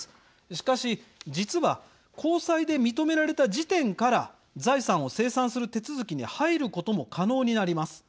しかし実は高裁で認められた時点から財産を清算する手続きに入ることも可能になります。